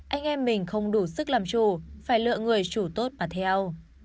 anh em mình không đủ sức làm chủ phải lựa người chủ tốt mà theo